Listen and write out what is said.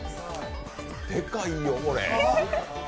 でかいよ、これ。